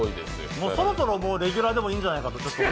もうそろそろレギュラーでもいいんじゃないかと。